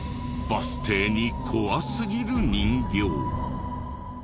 バス停に怖すぎる人形。